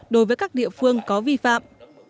đối với các địa phương có vi phạm